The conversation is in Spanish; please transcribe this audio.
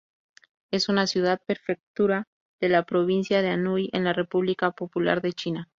Es una ciudad-prefectura de la provincia de Anhui, en la República Popular de China.